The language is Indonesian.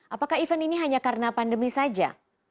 apakah event ini hanya karena pandemi saja